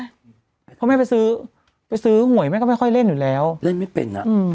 เพราะแม่ไปซื้อไปซื้อหวยแม่ก็ไม่ค่อยเล่นอยู่แล้วเล่นไม่เป็นอ่ะ